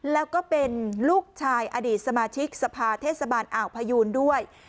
แล้วก็เป็นลูกชายอดีตสมาชิกสภาเทศบาลอ่าวพยูนด้วย